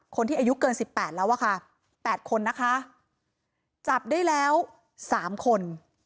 คนที่อายุเกินสิบแปดแล้วอะค่ะ๘คนนะคะจับได้แล้ว๓คน